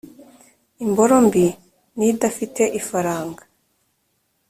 imboro mbi ni idafite ifaranga